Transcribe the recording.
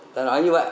ta nói như vậy